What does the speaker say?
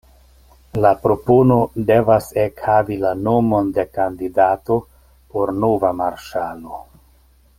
La propono devas ekhavi la nomon de kandidato por nova marŝalo.